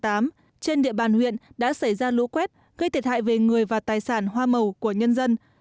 trên địa bàn huyện đã xảy ra lũ quét gây thiệt hại về người và tài sản hoa màu của nhân dân